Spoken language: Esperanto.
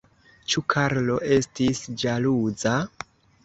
Ĉu Karlo estis ĵaluza?